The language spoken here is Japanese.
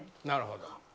なるほど。